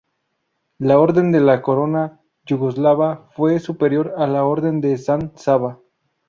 La Orden de la Corona yugoslava fue superior a la Orden de San Sava.